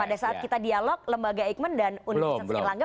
pada saat kita dialog lembaga eijkman dan universitas erlangga